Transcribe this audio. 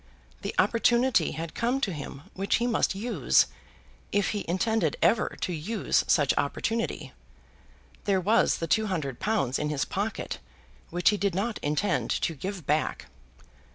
The opportunity had come to him which he must use, if he intended ever to use such opportunity. There was the two hundred pounds in his pocket, which he did not intend to give back.